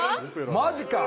マジか。